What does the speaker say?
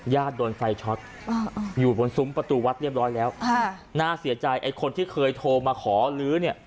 โดนไฟช็อตอยู่บนซุ้มประตูวัดเรียบร้อยแล้วน่าเสียใจไอ้คนที่เคยโทรมาขอลื้อเนี่ย